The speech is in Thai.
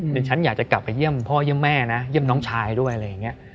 ดิฉันอยากจะกลับไปเยี่ยมพ่อเยี่ยมแม่นะเยี่ยมน้องชายด้วยอะไรอย่างนี้